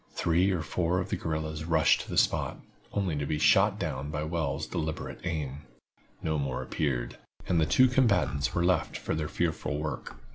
Three or four of the guerrillas rushed to the spot, only to be shot down by Wells' deliberate aim. No more appeared, and the two combatants were left to their fearful work.